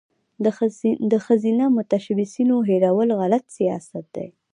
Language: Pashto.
د ښځینه متشبثینو هیرول غلط سیاست دی.